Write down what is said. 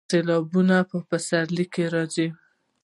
سیلابونه په پسرلي کې راځي